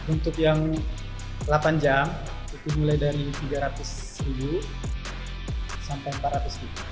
untuk yang delapan jam itu mulai dari tiga ratus sampai empat ratus